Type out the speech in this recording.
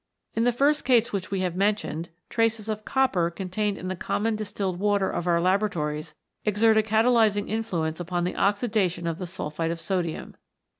In the first case which we have mentioned, traces of copper contained in the common distilled water of our laboratories exert a catalysing influence upon the oxidation of the sulphite of sodium.